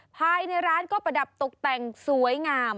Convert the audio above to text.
ภายในร้านก็ประดับตกแต่งสวยงาม